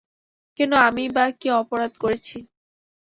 কেন আমিই-বা কী অপরাধ করেছি।